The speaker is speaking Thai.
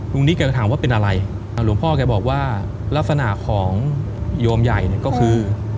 นิกแกก็ถามว่าเป็นอะไรหลวงพ่อแกบอกว่าลักษณะของโยมใหญ่เนี่ยก็คือ